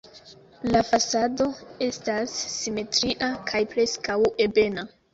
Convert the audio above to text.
La fasado estas simetria kaj preskaŭ ebena.